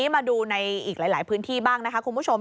มาดูในอีกหลายพื้นที่บ้างนะคะคุณผู้ชม